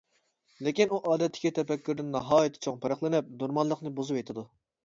لېكىن ئۇ ئادەتتىكى تەپەككۇردىن ناھايىتى چوڭ پەرقلىنىپ، نورماللىقنى بۇزۇۋېتىدۇ.